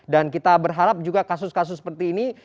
dan kita berharap juga kasus kasus seperti ini